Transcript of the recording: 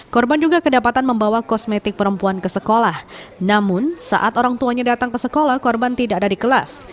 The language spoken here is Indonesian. korban juga kedapatan membawa kosmetik perempuan ke sekolah namun saat orang tuanya datang ke sekolah korban tidak ada di kelas